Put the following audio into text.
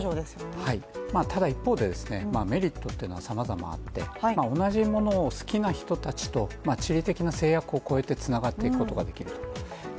ただ一方で、メリットはさまざまあって同じものを好きな人たちと地理的な制約をこえてつながっていくことができると。